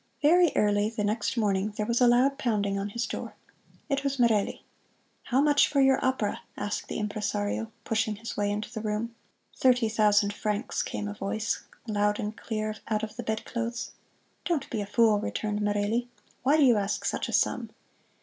Very early the next morning there was a loud pounding on his door. It was Merelli. "How much for your opera?" asked the impresario, pushing his way into the room. "Thirty thousand francs," came a voice, loud and clear out of the bedclothes. "Don't be a fool," returned Merelli "why do you ask such a sum!"